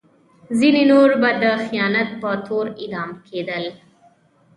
ځینې نور به د خیانت په تور اعدام کېدل.